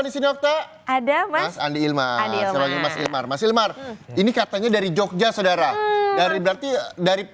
di sini okta ada mas andi ilmar sebagai mas ilmar mas ilmar ini katanya dari jogja saudara dari berarti dari